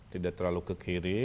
tidak terlalu ke kiri